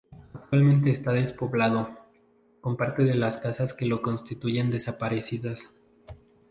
Actualmente está despoblado, con parte de las casas que lo constituyen desaparecidas.